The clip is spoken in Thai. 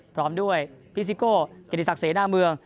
พร้อมด้วยพี่ซิโก้เกดีศักดิ์เสน่ห์หน้าเมือง